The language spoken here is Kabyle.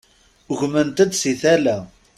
Ugment-d si tala.